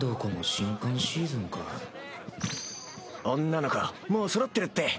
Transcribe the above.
女の子もうそろってるって。